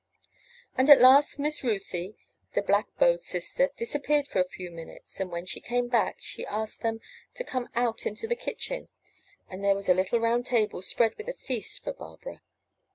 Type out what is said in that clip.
And at last Miss Ruthy, the black bowed sister, disappeared for a few minutes, and when she came back she asked them to come out into the kitchen; and there was a little round table spread with a feast for Barbara.